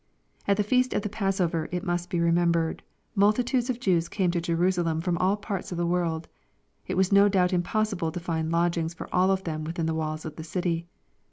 At the feast of the passover, it must be remembered, multitudes of Jews came to Jerusalem from all parts of the world. It was no doubt impossible to find lodgings for all of them within the walls of the city.